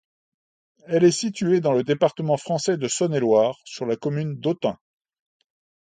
Elle est située dans le département français de Saône-et-Loire, sur la commune d'Autun.